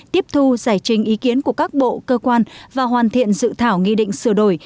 tiếp thu giải trình ý kiến của các bộ cơ quan và hoàn thiện dự thảo nghị định sửa đổi